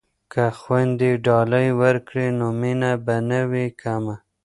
که خویندې ډالۍ ورکړي نو مینه به نه وي کمه.